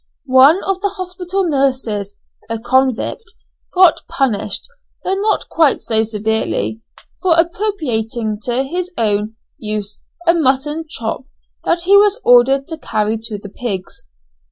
One of the hospital nurses (a convict) got punished, though not quite so severely, for appropriating to his own use a mutton chop that he was ordered to carry to the pigs.